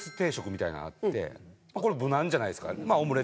これ無難じゃないですか。